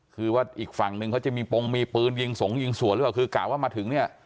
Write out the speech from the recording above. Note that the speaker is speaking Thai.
คือว่าอีกฝั่งนึงเขาจะมีปงมีปืนยิงสงยิงสวนหรือเปล่าคือกะว่ามาถึงเนี่ย